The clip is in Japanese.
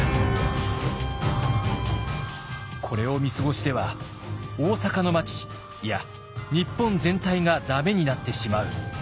これを見過ごしては大坂の町いや日本全体が駄目になってしまう。